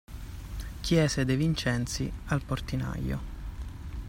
Chiese De Vincenzi al portinaio.